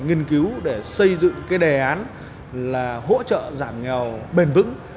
nghiên cứu để xây dựng cái đề án là hỗ trợ giảm nghèo bền vững